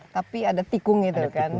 tapi ada tikung itu kan